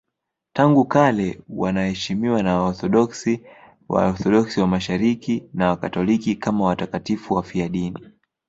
Tangu kale wanaheshimiwa na Waorthodoksi, Waorthodoksi wa Mashariki na Wakatoliki kama watakatifu wafiadini.